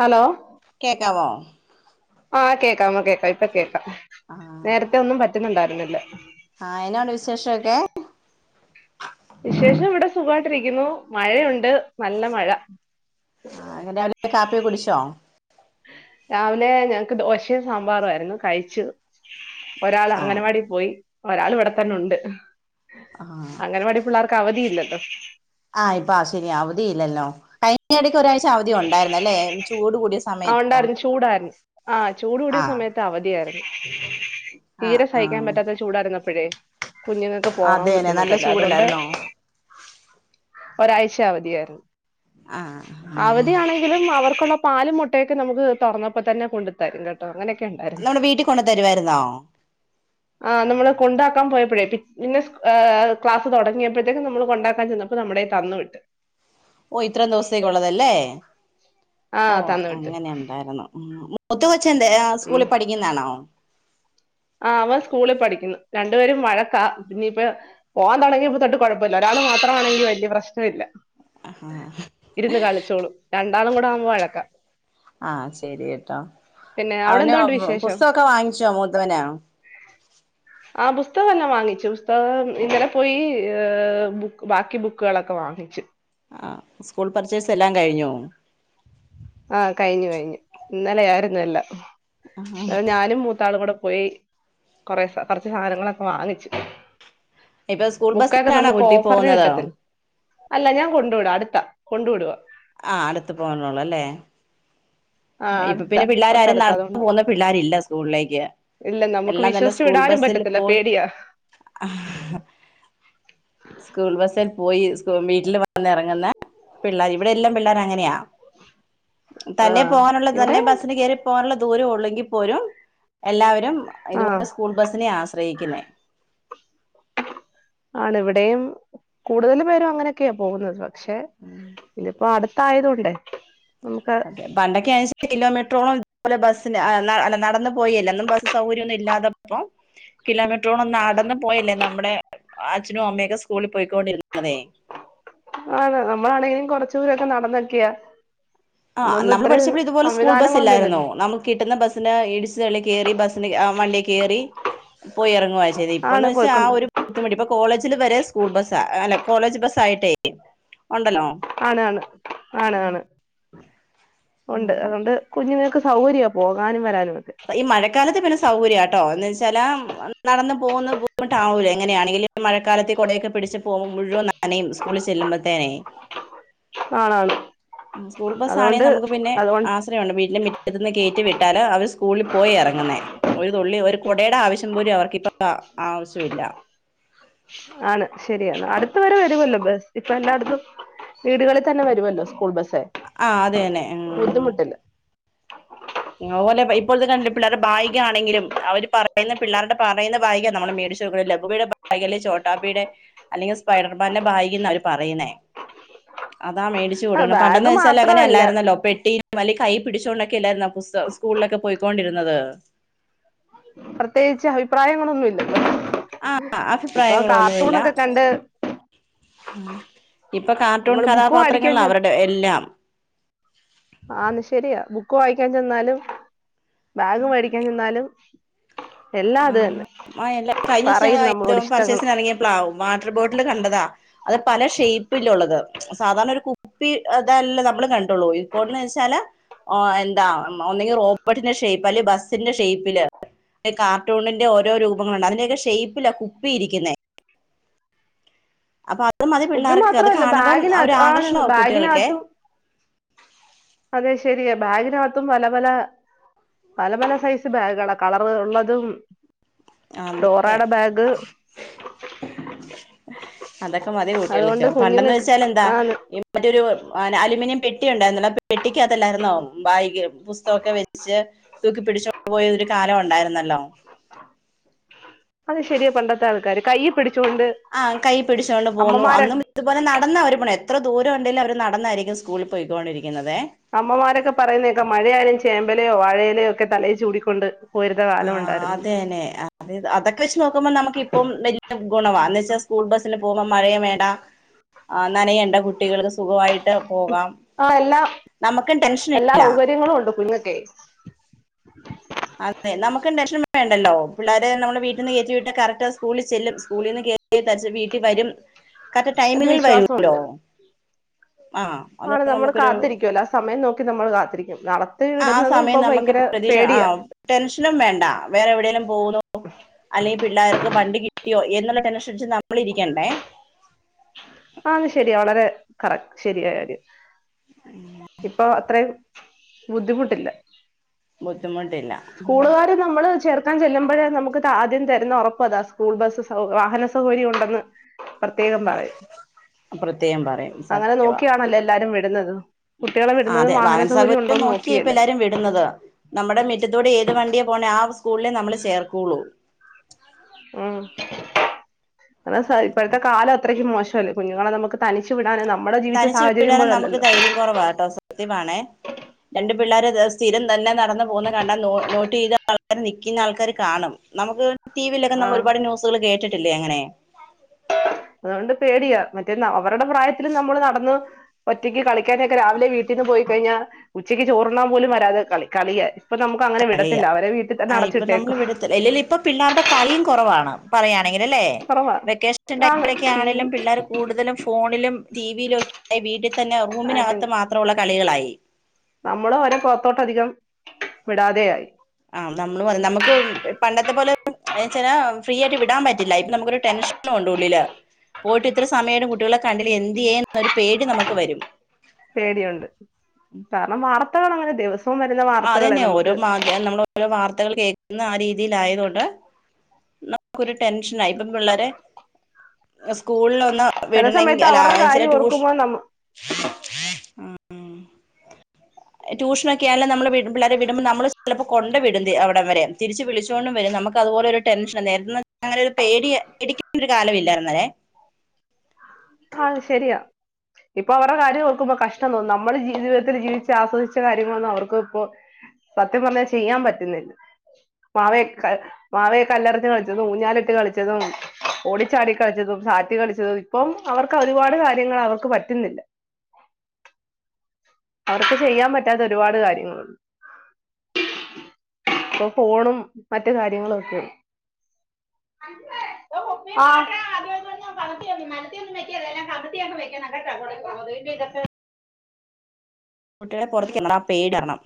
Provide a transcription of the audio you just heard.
Hello കേക്കാവോ? ആഹ് കേക്കാം അമ്മ കേൾക്കാം ഇപ്പൊ കേക്കാം നേരത്തെ ഒന്നും പറ്റുന്നുണ്ടായിരുന്നില്ല ആ എന്നാ ഉണ്ട്‌ വിശേഷവൊക്കെ? വിശേഷം ഇവിടെ സുഖവായിട്ടിരിക്കുന്നു മഴയുണ്ട് നല്ല മഴ ആ അങ്ങനെ രാവിലെ കാപ്പിയൊക്കെ കുടിച്ചോ? രാവിലെ ഞങ്ങക്ക് ദോശയും സാമ്പാറും ആയിരുന്നു കഴിച്ചു ഒരാള് ആഹ് അംഗനവാടി പോയി ഒരാള് ഇവിടെ തന്നെ ഉണ്ട് ഹ് ആഹ് അങ്ങനവാടി പിള്ളാർക്ക് അവധിയില്ലല്ലോ ആഹ് ഇപ്പ ആ ശെരിയാ അവധി ഇല്ലല്ലോ കഴിഞ്ഞ ഇടക്ക് ഒരാഴ്ച അവധി ഉണ്ടായിരുന്ന്‌ അല്ലേ ചൂട് കൂടിയ സ ആ ഉണ്ടായിരുന്നു ചൂടായിരുന്നു ആഹ് ചൂട് കൂടിയ ആഹ് സമയത്ത് അവധിയായിരുന്നു ആഹ് തീരെ സഹിക്കാൻ ആഹ് പറ്റാത്ത ചൂടായിരുന്നപ്പോഴേ കുഞ്ഞുങ്ങൾക്ക് പോകാൻ അതെന്നെ നല്ല ബുദ്ധിമുട്ടല്ല അതുകൊണ്ട് ചൂടല്ലായിരുന്നോ ഒരാഴ്ച അവധിയായിരുന്നു ആഹ് അവധിയാണെങ്കി ലും അവർക്കുള്ള പാലും മുട്ടയൊക്കെ നമുക്ക് തുറന്നപ്പോൾ തന്നെ കൊണ്ട് തരും കേട്ടോ അങ്ങനൊക്കെ ഉണ്ടായി നമ്മുടെ വീട്ടിൽ കൊണ്ട് തരുവായിരുന്നോ? ആ നമ്മള് കൊണ്ടാക്കാൻ പോയപ്പോഴേ പിറ്റ് പിന്നെ ഏ ക്ലാസ്സ് തുടങ്ങിയപ്പോഴത്തേക്കും നമ്മള് കൊണ്ടാക്കാൻ ചെന്നപ്പ പ്പോ നമ്മുടേ തന്ന്‌ വിട്ട് ഓ ഇത്രയും ദിവസത്തേക്കുള്ളതല്ലേ ആ ഓ തന്നു വിട്ട് അങ്ങനെണ്ടായിരുന്നു മ് മൂത്ത കൊച്ചെന്തേ ആ ഉം സ്കൂളിൽ പഠിക്കുന്നതാണോ? ആ അവൻ സ്കൂളിൽ പഠിക്കുന്നു രണ്ടുപേരും വഴക്കാ പിന്നിപ്പ പോവാൻ തുടങ്ങിയപ്പൊ തൊട്ട് കുഴപ്പില്ല ഒരാൾ മാത്രമാണെങ്കി വല്യ പ്രശ്നം ഇല്ല അഹാ ഇരുന്ന് കളിച്ചോളും രണ്ടാളും കൂടെ ആവുമ്പോ വഴക്ക ആഹ് ശെരിയെട്ടോ പിന്നെ അവിടെ അവന് എന്തോണ്ട് വിശേഷം പുസ്തകവൊക്കെ വാങ്ങിച്ചോ? മൂത്തവന് ആഹ് പുസ്തകം എല്ലാം വാങ്ങിച്ചു പുസ്തകം ഇന്നലെ പോയി ഏ ബുക്ക് ബാക്കി ബുക്കുകളൊക്കെ വാങ്ങിച്ചു ആഹ് സ്കൂൾ പർച്ചേഴ്സ് എല്ലാം കഴിഞ്ഞു ആഹ് കഴിഞ്ഞു കഴിഞ്ഞു ഇന്നലെ ആരുന്നെല്ലാം ഇന്നലെ ഞാനും മു ആളും കൂടെ പോയി കൊറെ കുറച്ച് സാധനങ്ങളൊക്കെ വാങ്ങിച്ചു ഇപ്പൊ സ്കൂൾ ബുക്കൊക്കെ ബസ്സിലാണോ നമുക്ക് കുട്ടി ഓഫറിന് പോകുന്നത് കിട്ടത്തില്ല അല്ല ഞാൻ കൊണ്ടു വിട അടുത്താ കൊണ്ടു വിടുവാ ആ അടുത്ത് പോന്നോളൂ അല്ലേ ആ ഇപ്പൊ അടുത്താ പിന്നെ പിള്ളോര് ആരും തൊട്ടടുത്താ നടന്നു അതുകൊണ്ട് പോകുന്ന പിള്ളേരില്ല സ്കൂളിലേക്ക് ഇല്ല നമുക്ക് എല്ലാം വിശ്വസിച്ചു വിടാനും പറ്റത്തില്ല പേടിയാ ആഹ് സ്കൂൾ ബസ്സിൽ പോയി. സ് വീട്ടിൽ വന്ന് എറങ്ങുന്ന പിള്ളേർ. ഇവിടെ എല്ലാം പിള്ളേർ അങ്ങനെയാ. ആ തന്നെ പോകാനുള്ളത് ഇവിടെ തന്നെ ബസ്സിന് കേറി പോകാനുള്ള ദൂര ഉള്ളെങ്കിൽ പോലും എല്ലാവരും ആ ഇതുപോലെ സ്കൂൾ ബസ്സിനെ ആശ്രയിക്കുന്നെ. ആണ് ഇവിടെയും കൂടുതൽ പേരും അങ്ങനെയൊക്ക്യെ പോകുന്നത്. പക്ഷെ ഇനിപ്പോ അടുത് ത്തായതൂ ണ്ടെ അതെ പണ്ടൊക്കെ അഞ്ച് കിലോമീറ്ററോളം ബസിന് [unintelligible] നടന്നു പോയി എല്ല ഒന്നും ബസ് സൗകര്യംന്നും ഇല്ലാതപ്പം. കിലോമീറ്ററോണ ഒന്ന് നടന്ന് പോയല്ലേ നമ്മുടെ അച്ഛനും അമ്മയൊക്കെ സ്കൂളിൽ പോയിക്കൊണ്ടിരുന്നതെ ആതെ നമ്മളാണെങ്കിലും കൊറച്ചട ദൂരൊക്കെ നടന്നക്ക്യെ ആ നമ്മള് പഠിച്ചപ്പോ ഇതുപോലെ സ്കൂൾ സംവിധാനങ്ങളൊന്നും ബസ്ല്ലായിരുന്നൊ ഇല്ലല്ലോ നമു കിട്ടുന്ന ബസ് പിന്നെ ഇടിച്ച തള്ളി കേറി ബസിന് വണ്ടി കേറി പോയി എറങ്ങുമായിരുന്നു. ശെരി ആണ് ഇപ്പന്ന് വച്ചാ ആ പോയിക്കൊണ്ട് ഒരു കുത്തുമുടി. ഇപ്പൊ കോളേജില് വരെ സ്കൂൾ ബസാ അല്ലെ കോളേജ് ബസ് ആയിട്ടേ ഉണ്ടല്ലോ ആണ് ആണ് ആണാണ് ഉണ്ട് അതെ അതുകൊണ്ട് കുഞ്ഞുങ്ങൾക്ക് സൗകര്യ പോകാനും വരാനും ഒക്കെ ഈ മഴക്കാലത്ത് പിന്നെ സൗകര്യാ ട്ടോ എന്ന് വെച്ചാല് നടന്നു പോകുന്ന ബുദ്ധിമുട്ട് ആവൂല എങ്ങനെയാണെലും െ മഴക്കാലത്ത് കൊടയൊക്കെ പിടിച്ച് പോകുമ്പ മുഴുവൻ നനയും സ്കൂളിൽ ചെല്ലുമ്പോഴത്തനെ ആണാ ആണ് സ്കൂൾ ബസ് ആണെങ്കിൽ നമുക്ക് പിന്നെ ആ. വീന്റെ മിറ്റത്തിന്ന് കേറ്റി വിട്ടാല് അവര് സ്കൂള്ല് പോയി എറങ്ങുന്നേ ഒരു തുള്ളി ഒരു കുടയുടെ ആവശ്യം പോലും അവർക്കിപ്പ ആവശ്യ ഇല്ല ആണ് ശരിയാണ്. അടുത്ത വരെ വര്വല്ലോ. ബസ് ഇപ്പൊ എല്ലായിടത്തും വീടുകളിൽ തന്നെ വരുവല്ലോ സ്കൂൾ ബസ്സ്. ആഹ് അത് തന്നെ ഉ അതുപോലെ ഇപ്പോഴത്തെണ പിള്ളേരുടെ ബായിക ആണെങ്കിലും അവര് പറയുന്ന പിള്ളേരുടെ പറയുന്ന ബായിക ആണ്ലും നമ്മുടെ മേടിച്ച് ഷോകുകളിലും സ്കൂബി ഡേ ബാഗ് അല്ലെ ചോട്ടാബിയുടെ അല്ലെങ്കിൽ സ്പൈഡർമാന്റെ ബാഗെന്ന അവര് പറയുന്നേ അതാ മേടിച്ച് ആ കൊടുക്ക്ണ്. പണ്ടെന്ന് ബാഗ് വെച്ചാൽ അങ്ങനെ മാത്രമല്ല അല്ലായിരുന്നല്ലോ പെട്ടി വലി കൈ പിടിച്ചുകൊണ്ടൊക്കെല്ലായിരുന്നെ പുസ്തം സ്കൂളിലൊക്കെ പോയിക്കൊണ്ടിരുന്നത്. പ്രത്യേകിച്ച് അഭിപ്രായങ്ങളൊന്നുല്ല. ആ ഇപ്പൊ അഭിപ്രായങ്ങളൊന്നുമില്ല കാർട്ടൂൺക്കെ കണ്ട്. ഇപ്പൊ കാർട്ടൂൺ നമ്മള് ബുക്ക് കഥാപാത്രങ്ങൾ മേടിക്കാൻ ചെ അവരുടെ എല്ലാം. ആന്ന് ശെരിയാ ബുക്ക് വായിക്കാൻ ചെന്നാലും ബാഗ് മേടിക്കാൻ ചെന്നാലും എല്ലാം ആ അത് തന്നെ കഴിഞ്ഞ ദിവസം പറയും ഞങ്ങ നമ്മളോട് ഇ ഇഷ്ടങ്ങൾ പർച്ചേസിന് ഇറങ്ങിയപ്പോളാവും വാട്ടർ ബോട്ടില് കണ്ടതാ അത് പല ഷേയ്പ്പിലുള്ളത് സാധാരണ ഒരു കു ഇപ്പി ഇതല്ലെ നമ്മള് കണ്ടൊള്ളു ഇപ്പോന്ന് വെച്ചാല് എന്താ ഒന്നെങ്കി റോബോട്ടിന്റെ ഷേയ്പ്പ്. അല്ലെ ബസ്സിന്റെ ഷേയ്പ്പില് അല്ലെ കാ ട്ടൂണിന്റെ ഓരോ രൂപങ്ങള്ണ്ട്. അതിന്റെക്കെ ഷേയ്പ്പിലാ കുപ്പിയിരിക്കുന്നെ. അപ്പൊ അത് മതി കുപ്പി പിള്ളാർക്ക്. അത് മാത്രമല്ല കാണുമ്പം ഒരു ബാഗിനകത്ത് ആണ് ആകർഷണവാ കുട്ടികൾക്കെ ബാഗിനകത്തും അതെ ശെരിയ. ബാഗിനകത്തും പല പല പല പല സൈസ് ബാഗുകളാ കളർ ഇള്ളതും. അത് ഡോറാടെ ബാഗ്. അതൊക്കെ മതി അതുകൊണ്ട് കുട്ടികൾക്ക് പണ്ടെന്ന് കുഞ്ഞുങ്ങൾക്ക് വെച്ചാ എന്താ ആന്ന് മറ്റൊരു അലൂമിനിയം പെട്ടി ഉണ്ടായിരുന്നല്ലൊ. ആ പെട്ടിക്ക് അകത്തെല്ലായിരുന്നൊ ബാഗ് പുസ്തകൊക്കെ വെച്ച് തൂക്കി. പിടിച്ചോണ്ട്പോയൊരു കാലം ഉണ്ടായിരുന്നല്ലൊ. അത് ശരിയ പണ്ടത്തെ ആൾക്കാര് കയ്യി പിടിച്ചുകൊണ്ട് ആഹ് കൈ പിടിച്ചോണ്ട് പോവുന്നു അമ്മമാരെ അന്നും ഇതുപോലെ നടന്നാ അവര് പോണേ എത്ര ദൂരം ഒണ്ടേലും അവര് നടന്നാരിക്കും സ്കൂളി പോയ്ക്കൊണ്ടിരിക്കുന്നതേ അമ്മമാരൊക്കെ പറയുന്ന കേക്കാ മഴയായാലും ചേമ്പലയോ വാഴയിലയോക്കെ തലയിൽ ചൂടിക്കൊണ്ട് പോയിരുന്ന കാലം ഒണ്ടായിരുന്നു അതെ അതൊക്കെ വെച്ച് നോക്കുമ്പോ നമുക്കിപ്പം വല്യ ഗുണവാ എന്നുവെച്ചാൽ സ്കൂൾ ബസ്സിന് പോവുമ്പം മഴേയും വേണ്ട ആഹ് നനയേണ്ട കുട്ടികൾക്ക് സുഖായിട്ട് പോകാം ആ എല്ലാ നമുക്കും ടെൻഷനില്ല [unintelligible] അതെ നമുക്കും ടെൻഷൻ വേണ്ടല്ലോ പിള്ളേരെ നമ്മള് വീട്ടിന്ന് കേറ്റി വിട്ട് കറക്റ്റ് സ്കൂളിൽ ചെല്ലും സ്കൂളിന്ന് കേ ടച്ച് വീട്ടി വരും [inaudible] കറക്റ്റ് എന്റെ ടൈമിങ്ങില് വരൂല്ലോ വിശ്വാസമുണ്ട് ആഹ് ആണ് നമ്മള് കാത്തിരിക്കുവല്ലോ ആഹ് സമയം നോക്കി നമ്മള് കാത്തിരിക്കും നാളെ ത്തി ആ ആ വിടുന്നതും സമയം ഇപ്പൊ നമുക്ക് ഭയങ്കര പ്രതീക്ഷ ആ പേടിയ ടെൻഷനും വേണ്ട വേറെ എവിടെലും പോവൂന്നോ അല്ലെങ്കി പിള്ളേർക്ക് വണ്ടി കിട്ടിയോ എന്നുള്ള ടെൻഷനടിച്ച് നമ്മളിരിക്കണ്ടേ ആഹ് അത് ശരിയാ വളരെ കറക്റ്റ് ശരിയായ കാര്യം പ്പൊ അത്രേം ബുദ്ധിമുട്ടില്ല ബുദ്ധിമുട്ടില്ല സ്കൂളുകാര് നമ്മള് ചേർ ക്കാൻ ചെല്ലുമ്പഴെ നമുക്ക് ആദ്യം തരുന്ന ഒറപ്പതാ സ്കൂൾ ബസ് സൗ വാഹന സൗകര്യം ഉണ്ടെന്ന് പ്രത്യേകം പറയും പ്രത്യേകം പറയും അങ്ങനെ സത്യവാ നോക്കിയാണല്ലോ എല്ലാരും വിടുന്നത് കുട്ടികളെ ആ വിടുന്നതും വാഹന സൗകര്യം ഉണ്ടോന്ന് നോക്കിയല്ലേ ടുന്നത് നമ്മുടെ മിറ്റത്തൂടെ ഏത് വണ്ടിയെ പോണേ ആ സ്കൂളിലെ നമ്മള് ചേർക്കോള്ളൂ ഉം അത് സാ ഇപ്പഴത്തെ കാലം അത്രക്ക് മോശവല്ലെ കുഞ്ഞുങ്ങളെ നമുക്ക് തനിച്ചു വിടാൻ നമ്മള് ജീവിച്ച തനിച്ചു സാഹചര്യം വിടാനും നമുക്ക് പോലല്ലല്ലോ ധൈര്യം കുറവാട്ടോ സത്യമാണേ രണ്ടു പിള്ളേര് ത സ്ഥിരം തന്നെ നടന്നു പോകുന്നത് കണ്ടാ നോ നോട്ട് ചെയ്ത് ആൾക്കാര് നിൽക്കുന്ന ആൾക്കാര് കാണും നമുക്ക് ടി വിയിലൊക്കെ നമ്മള് ആഹ് ഒരുപാട് ന്യൂസുകൾ കേട്ടിട്ടില്ലേ അങ്ങനെ അതുകൊണ്ട് പേടിയ മറ്റേന്നാ അവരുടെ പ്രായത്തില് നമ്മള് നടന്ന് ഒറ്റയ്ക്ക് കളിക്കാനൊക്കെ രാവിലെ വീട്ടീന്ന് പോയി കഴിഞ്ഞാൽ ഉച്ചയ്ക്ക് ചോറുണാൻ പോലും വരാതെ കളി കളിയാ പ്പൊ നമുക്കങ്ങനെ കളിയാ വിടത്തില്ല അവരെ വീട്ടിൽ തന്നെ ആ ഇപ്പൊ നമ്മൾ അടച്ചിട്ടേക്കും വിടത്തില്ല ഇല്ലല്ല ഇപ്പൊ പിള്ളേർടെ കളീം കൊറവാണ് പറയാണെങ്കിലല്ലേ കൊറവാ വെക്കേഷൻ ആണ് ടൈമിലൊക്കെ ടി വി ആണേലും പിള്ളേര് കൂടുതലും ഫോണിലും ടിവിയിലു ഒ വീട്ടി തന്നെ ആയിട്ടും റൂമിനകത്ത് മാത്രോള്ള കളികളായി നമ്മള് ഒരെ പൊറത്തോട്ടധികം വിടാതെയായി ആഹ് നമ്മള് പറയും നമ്ക്ക് പണ്ടത്തെ പോലെ എന്നാച്ചാല് ഫ്രീ ആയിട്ട് വിടാൻ പറ്റില്ല ഇപ്പൊ നമുക്കൊരു ടെൻഷനും ഉണ്ട് ഉള്ളില് പോയിട്ട് ഇത്ര സമയിട്ടും കുട്ടികളെ കണ്ടില്ലേ എന്ത്യേന്നൊരു പേടി നമുക്ക് വരും പേടിയുണ്ട് കാരണം വാർത്തകളങ്ങനെ ദിവ ആഹ് അതന്നെ ഓരോ മാധ്യ നമ്മള് ഓരോ വാർത്തകൾ കേൾക്കുന്ന ആഹ് രീതിയിലായെണ്ട് നമുക്കൊരു ടെൻഷനാ ഇപ്പ പിള്ളേരെ സ്കൂളിലൊന്ന് ചെല വിട്ണെ സമയത്ത് അല്ല അവരുടെ ചെല കാര്യം ട്യൂഷ് ഓർക്കുമ്പോ നമ്മ ട്യൂഷനൊക്കെയല്ലെ നമ്മള് വിടു പിള്ളേരെ വിടുമ്പം നമ്മള് ചെലപ്പോ കൊണ്ട് വിടും അവിടംവരെ തിരിച്ച് വിളിച്ചോണ്ടും വരും നമുക്കതുപോലെ ഒരു ടെൻഷന് നേരന്ന് അങ്ങനെ പേടി പേടിക്കണ്ടേ ഒരു കാലവില്ലാരുന്നല്ലേ ആത്ശരിയാ ഇപ്പ അവരുടെ കാര്യം ഓർക്കുമ്പോ കഷ്ടം തോന്നും നമ്മള് ജീവിതത്തില് ജീവിച്ചആസ്വദിച്ച കാര്യങ്ങളൊന്നും അവർക്ക് ഇപ്പോ സത്യം പറഞ്ഞാൽ ചെയ്യാൻ പറ്റില്ലേ മാവേക്കേ മാവെ കല്ലെറിഞ്ഞ് കളിച്ചതും ഊഞ്ഞാലെട്ടി കളിച്ചതും ഓടിച്ചാടി കളിച്ചതും സാറ്റ് കളിച്ചതും ഇപ്പം അവർക്ക് ഒരുപാട് കാര്യങ്ങള് അവർക്ക് പറ്റുന്നില്ല അവർക്ക് ചെയ്യാൻ പറ്റാത്ത ഒരുപാട് കാര്യങ്ങള് ഇപ്പം ഫോണും മറ്റ് കാര്യങ്ങളും ഒക്കെ അഞ്ജുവെ [unintelligible] ആഹ് കമത്തിയങ്ങ് മലത്തിയൊന്നും വെക്കല്ലേ എല്ലാം കമത്തിയങ്ങ് വെക്കണം കേട്ടോ [unintelligible] കുട്ടികളെ പൊറത്തിടണ്ടാ ആഹ് പേടിറണം